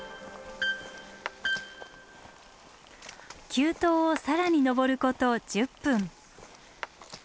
急登を更に登ること１０分。